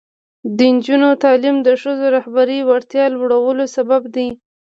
د نجونو تعلیم د ښځو رهبري وړتیا لوړولو سبب دی.